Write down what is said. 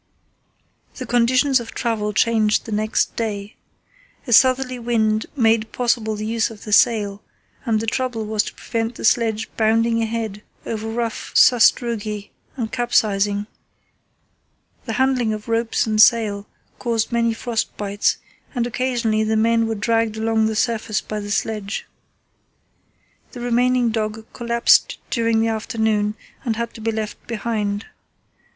The conditions of travel changed the next day. A southerly wind made possible the use of the sail, and the trouble was to prevent the sledge bounding ahead over rough sastrugi and capsizing. The handling of ropes and the sail caused many frost bites, and occasionally the men were dragged along the surface by the sledge. The remaining dog collapsed during the afternoon and had to be left behind.